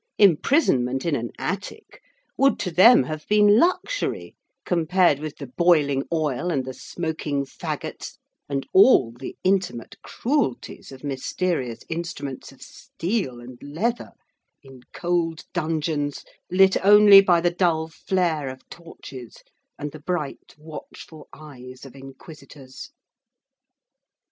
Imprisonment in an attic would to them have been luxury compared with the boiling oil and the smoking faggots and all the intimate cruelties of mysterious instruments of steel and leather, in cold dungeons, lit only by the dull flare of torches and the bright, watchful eyes of inquisitors.